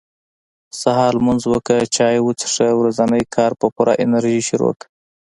سهار لمونځ وکړه چاي وڅښه ورځني کار په پوره انرژي شروع کړه